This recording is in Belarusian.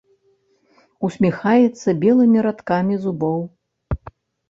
Усміхаецца белымі радкамі зубоў.